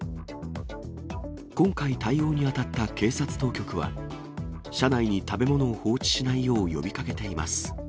今回対応に当たった警察当局は、車内に食べ物を放置しないよう呼びかけています。